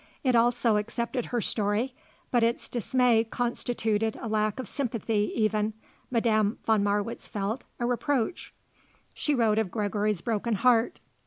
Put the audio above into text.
It, also, accepted her story; but its dismay constituted a lack of sympathy, even, Madame von Marwitz felt, a reproach. She wrote of Gregory's broken heart.